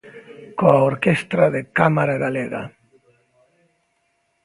Coa Orquestra de Cámara Galega.